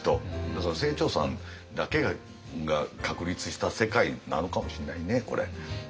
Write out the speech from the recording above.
だから清張さんだけが確立した世界なのかもしんないねこれ。